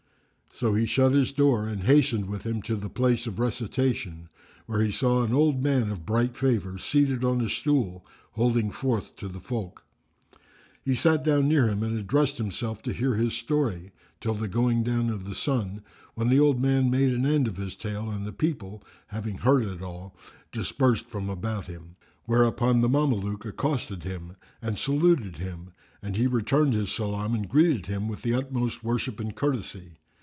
So he shut his door and hastened with him to the place of recitation, where he saw an old man of bright favour seated on a stool holding forth to the folk. He sat down near him and addressed himself to hear his story, till the going down of the sun, when the old man made an end of his tale and the people, having heard it all, dispersed from about him; whereupon the Mameluke accosted him and saluted him, and he returned his salam and greeted him with the utmost worship and courtesy.